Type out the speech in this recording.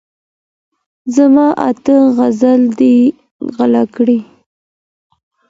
زما اته غزلي دي غلا كړي